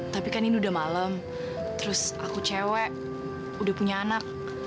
tapi kan ini udah malam terus aku cewek udah punya anak